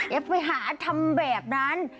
อย่าไปหาทำแบบนั้น